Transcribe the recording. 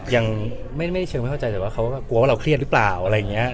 ยังไม่เชิงไม่เข้าใจแต่ว่าเขาก็กลัวว่าเราเครียดหรือเปล่าอะไรอย่างนี้